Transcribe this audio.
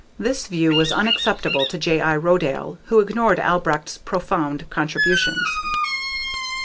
This view was unacceptable to J.l. Rodale, who ignored Albrecht's profound contributions.